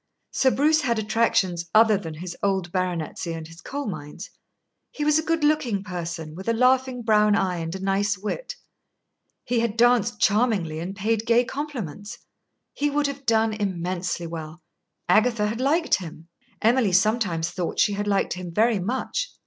Sir Bruce had attractions other than his old baronetcy and his coal mines. He was a good looking person, with a laughing brown eye and a nice wit. He had danced charmingly and paid gay compliments. He would have done immensely well. Agatha had liked him. Emily sometimes thought she had liked him very much.